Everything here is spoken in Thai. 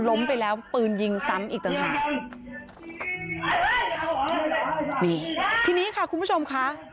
ล้มไปแล้วปืนยิงซ้ำอีกต่างหากนี่ทีนี้ค่ะคุณผู้ชมค่ะ